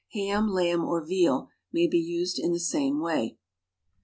Ham, lamb or veal may be used in the same way.